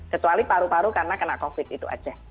kecuali paru paru karena kena covid itu aceh